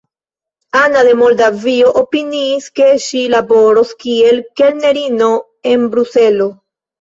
Ana el Moldavio opiniis, ke ŝi laboros kiel kelnerino en Bruselo.